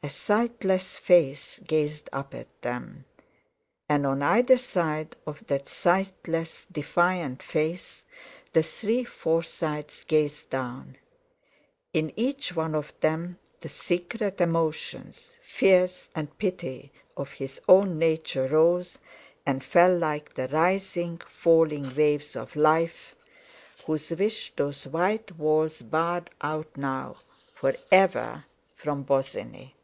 A sightless face gazed up at them, and on either side of that sightless defiant face the three Forsytes gazed down; in each one of them the secret emotions, fears, and pity of his own nature rose and fell like the rising, falling waves of life, whose wash those white walls barred out now for ever from Bosinney.